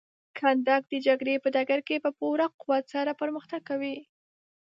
کنډک د جګړې په ډګر کې په پوره قوت سره پرمختګ کوي.